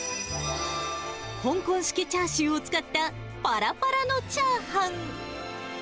香港式チャーシューを使ったぱらぱらのチャーハン。